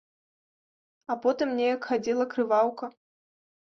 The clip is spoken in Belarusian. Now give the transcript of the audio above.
А потым неяк хадзіла крываўка.